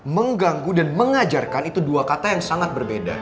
mengganggu dan mengajarkan itu dua kata yang sangat berbeda